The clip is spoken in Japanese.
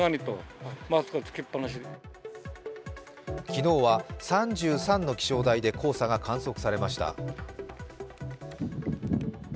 昨日は３３の気象台で黄砂が観測されました。